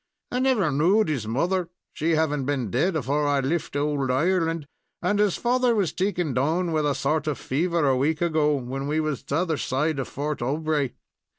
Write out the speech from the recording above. "I never knowed his mother she havin' been dead afore I lift owld Ireland and his father was taken down with a sort of fever a week ago, when we was t'other side of Fort Aubray.